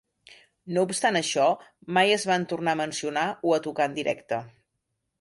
No obstant això, mai es van tornar a mencionar o a tocar en directe.